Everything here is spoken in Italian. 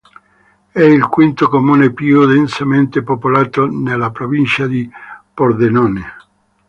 È il quinto comune più densamente popolato della provincia di Pordenone.